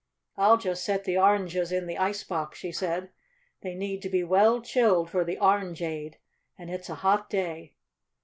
"I'll just set the oranges in the ice box," she said. "They need to be well chilled for the orangeade, and it's a hot day."